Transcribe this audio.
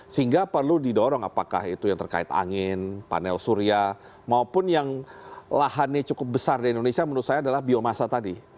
sehingga perlu didorong apakah itu yang terkait angin panel surya maupun yang lahannya cukup besar di indonesia menurut saya adalah biomasa tadi